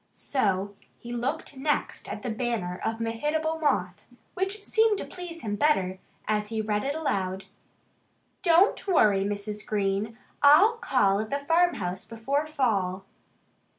So he looked next at the banner of Mehitable Moth, which seemed to please him better, as he read it aloud: DON'T WORRY, MRS. GREEN! I'LL CALL AT THE FARMHOUSE BEFORE FALL.